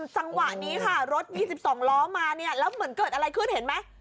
จังหวะนี้ค่ะรถ๒๒ล้อมาเนี่ยแล้วเหมือนเกิดอะไรขึ้นเห็นไหม